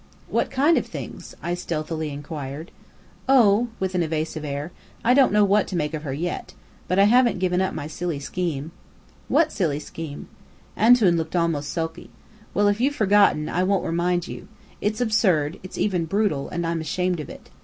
"What kind of things?" I stealthily inquired. "Oh," with an evasive air "I don't know what to make of her yet. But I haven't given up my silly scheme." "What silly scheme?" "Antoun" looked almost sulky. "Well, if you've forgotten, I won't remind you. It's absurd; it's even brutal; and I'm ashamed of it.